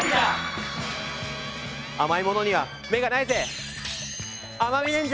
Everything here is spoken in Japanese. あまいものにはめがないぜ！